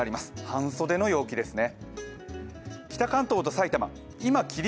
半袖の陽気ですね。